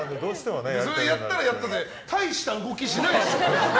やったらやったで大した動きしてないでしょ。